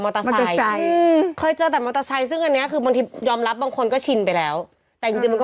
เมืองเนี่ยเราย่มักจะเจอเอง